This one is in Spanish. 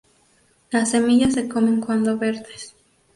Las semillas se comen cuando verdes.